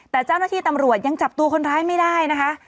แต่เจ้าหน้าที่ตำรวจยังจับตัวคนร้ายไม่ได้นะคะ